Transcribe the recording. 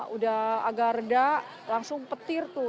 udah agak reda langsung petir tuh